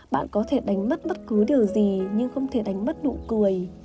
bạn có thể đánh mất bất cứ điều gì nhưng không thể đánh mất nụ cười